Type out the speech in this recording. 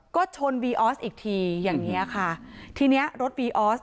ก็ชนวีออสอีกทีอย่างเงี้ยค่ะทีเนี้ยรถวีออส